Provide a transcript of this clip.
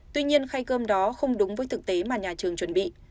tuy nhiên khay cơm đó không đúng với thực tế mà nhà trường chuẩn bị